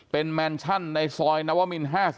เป็นแมนชั่นในซอยนวมิน๕๔